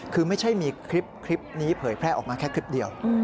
คือไม่ใช่มีคลิปนี้เผยแพร่ออกมาแค่คลิปเดียว